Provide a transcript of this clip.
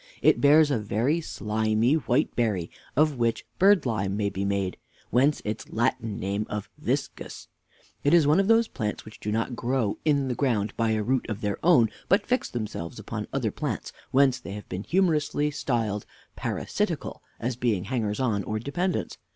It bears a very slimy white berry, of which birdlime may be made, whence its Latin name of Viscus. It is one of those plants which do not grow In the ground by a root of their own, but fix themselves upon other plants; whence they have been humorously styled parasitical, as being hangers on, or dependents.